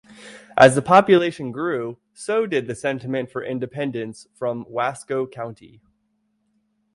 As the population grew, so did the sentiment for independence from Wasco County.